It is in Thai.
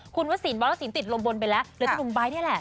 คุณว่าสีนบ้านแล้วสีนติดลงบนไปแล้วหรือเป็นหนุ่มไบร์ทเนี่ยแหละ